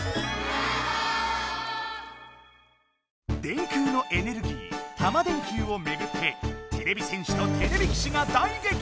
電空のエネルギータマ電Ｑをめぐっててれび戦士とてれび騎士が大げきとつ！